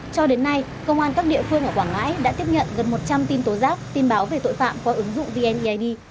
cho đến nay công an các địa phương ở quảng ngãi đã tiếp nhận gần một trăm linh tin tố giác tin báo về tội phạm qua ứng dụng vneid